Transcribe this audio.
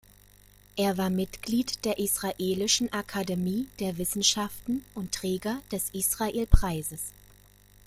Er war Mitglied der israelischen Akademie der Wissenschaften und Träger des Israel-Preises.